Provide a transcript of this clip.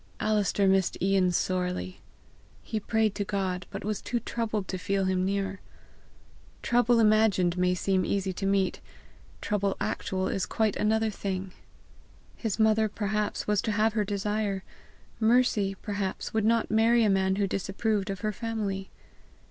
Alister missed Ian sorely. He prayed to God, but was too troubled to feel him near. Trouble imagined may seem easy to meet; trouble actual is quite another thing! His mother, perhaps, was to have her desire; Mercy, perhaps, would not marry a man who disapproved of her family!